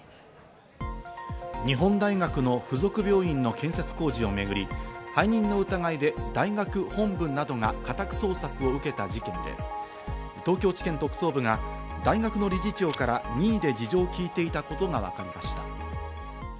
日本大学の附属病院の建設工事をめぐり、背任の疑いで大学本部などが家宅捜索を受けた事件で、東京地検特捜部が大学の理事長から任意で事情を聞いていたことが分かりました。